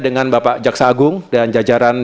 dengan bapak jaksa agung dan jajaran